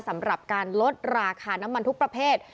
สำหรับการลดราคาน้ำมันทุกประเภท